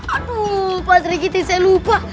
aduh pasir kiti saya lupa